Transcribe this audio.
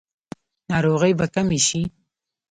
ناروغۍ به کمې شي؟